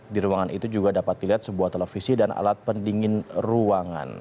di ruangan itu juga dapat dilihat sebuah televisi dan alat pendingin ruangan